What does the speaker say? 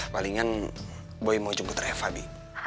palingan boy mau jumpa treva bi